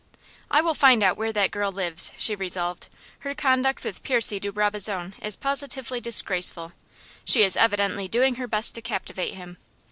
"I will find out where that girl lives," she resolved. "Her conduct with Percy de Brabazon is positively disgraceful. She is evidently doing her best to captivate him.